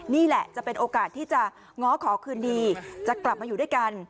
นี่แหละจะเป็นโอกาสที่จะง้อขอคืนดีจะกลับมาอยู่ด้วยกัน